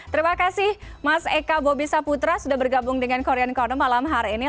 terima kasih mas eka bobi saputra sudah bergabung dengan korean corner malam hari ini